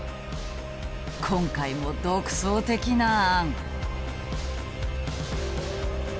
今回も独創的な案。